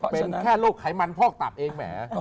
เป็นแค่โรคไขมันพอกตับเองแหม